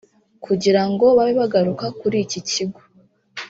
kugirango babe bagaruka kuri iki kigo